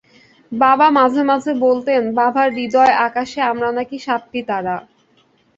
বাবা মাঝে মাঝে বলতেন, বাবার হূদয় আকাশে আমরা নাকি সাতটি তারা।